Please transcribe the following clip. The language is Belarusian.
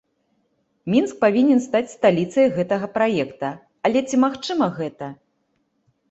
Мінск павінен стаць сталіцай гэтага праекта, але, ці магчыма гэта?